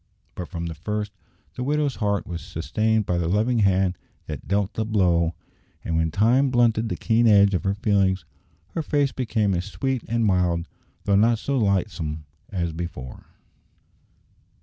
But from the first the widow's heart was sustained by the loving Hand that dealt the blow, and when time blunted the keen edge of her feelings her face became as sweet and mild, though not so lightsome, as before.